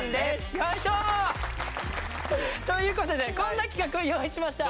よいしょ！ということでこんな企画を用意しました。